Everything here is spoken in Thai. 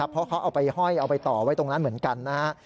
เพราะเขาเอาไปห้อยเอาไปต่อไว้ตรงนั้นเหมือนกันนะฮะ